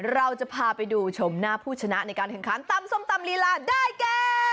เราจะพาไปดูชมหน้าผู้ชนะในการแข่งขันตำส้มตำลีลาได้แก่